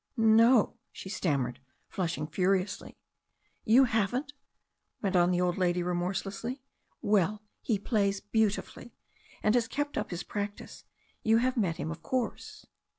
"No," she stammered, flushing furiously. "Youj haven't?" went on the old lady remorselessly. ^*Well, he plays beautifully, and has kept up his practice, you have met him, of course?"